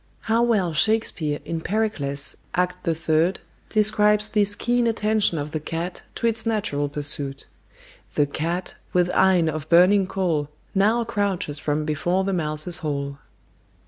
How well Shakespeare in Pericles, Act iii., describes this keen attention of the cat to its natural pursuit! The cat, with eyne of burning coal, Now crouches from (before) the mouse's hole.